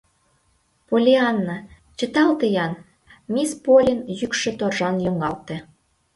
— Поллианна, чыталте-ян! — мисс Поллин йӱкшӧ торжан йоҥгалте.